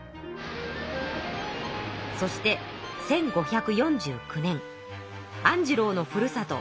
そして１５４９年アンジローのふるさと